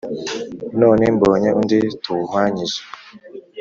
none mbonye undi tubuhwanyije”.